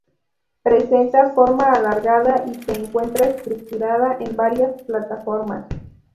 Presenta forma alargada y se encuentra estructurada en varias plataformas.